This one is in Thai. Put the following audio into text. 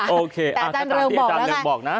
แต่อาจารย์เริงบอกแล้วกัน